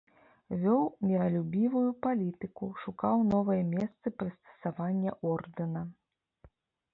Вёў міралюбівую палітыку, шукаў новыя месцы прыстасавання ордэна.